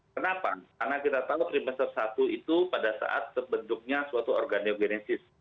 kenapa karena kita tahu perimester satu itu pada saat terbentuknya suatu organiogenesis